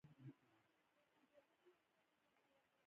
پوهان وايي مسافري پوره علم دی.